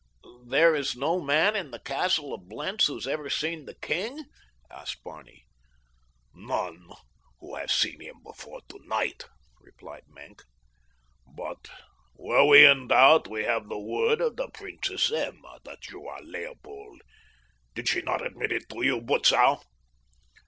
"There is no man in the castle of Blentz who has ever seen the king?" asked Barney. "None who has seen him before tonight," replied Maenck. "But were we in doubt we have the word of the Princess Emma that you are Leopold. Did she not admit it to you, Butzow?"